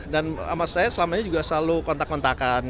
dan sama saya selama ini juga selalu kontak kontakan